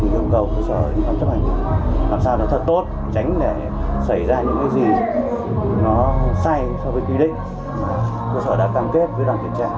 thì yêu cầu cơ sở chấp hành làm sao là thật tốt tránh để xảy ra những cái gì